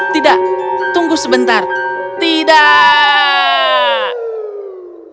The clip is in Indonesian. tidak tunggu sebentar tidak